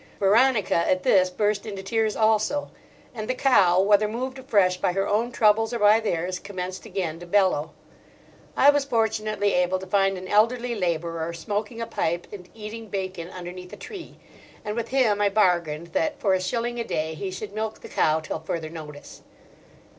Veronica at this burst into tears also; and the cow, whether moved afresh by her own troubles or by theirs, commenced again to bellow. I was fortunately able to find an elderly labourer smoking a pipe and eating bacon underneath a tree; and with him I bargained that for a shilling a day he should milk the cow till further notice.